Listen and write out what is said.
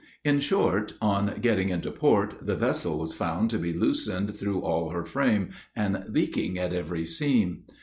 In short, on getting into port, the vessel was found to be loosened through all her frame, and leaking at every seam.